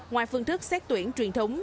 ngoài phương thức xét tuyển truyền thống